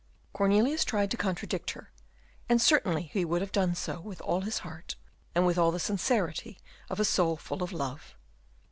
Cornelius tried to contradict her, and certainly he would have done so with all his heart, and with all the sincerity of a soul full of love.